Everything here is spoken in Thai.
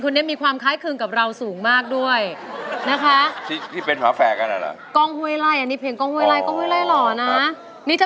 เป๊กไม่รู้ว่าพี่อดูนร้องได้ไหม